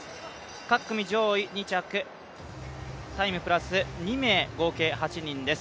各組上位２着、タイムプラス２名、合計８人です。